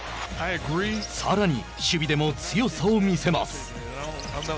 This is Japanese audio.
さらに守備でも強さを見せます。